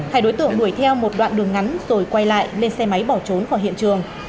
hai đối tượng đuổi theo một đoạn đường ngắn rồi quay lại lên xe máy bỏ trốn khỏi hiện trường